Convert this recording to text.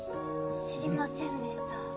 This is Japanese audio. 知りませんでした。